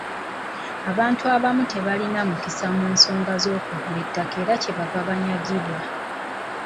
Abantu abamu tebalina mukisa mu nsonga z'okugula ettaka era kye bava banyagibwa.